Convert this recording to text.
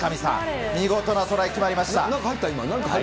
見事なトライ決まりました。